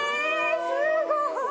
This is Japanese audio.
すごーい！